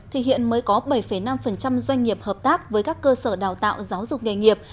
thì hiện mới có bảy năm doanh nghiệp hợp tác với các cơ sở đào tạo giáo dục nghề nghiệp